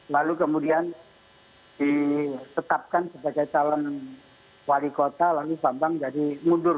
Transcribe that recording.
lalu kemudian ditetapkan sebagai calon wali kota lalu bambang jadi mundur